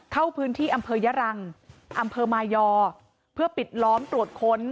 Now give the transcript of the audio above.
เข้าพื้นที่อำเภอยะรังอำเภอมายอเพื่อปิดล้อมตรวจค้น